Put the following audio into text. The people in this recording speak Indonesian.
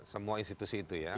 semua institusi itu ya